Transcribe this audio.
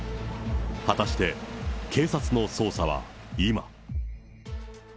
果たして警察の捜査は、今。